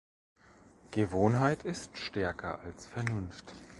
Gewohnheit ist stärker als Vernunft.